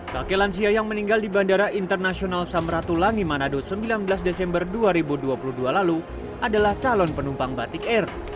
kakek lansia yang meninggal di bandara internasional samratulangi manado sembilan belas desember dua ribu dua puluh dua lalu adalah calon penumpang batik air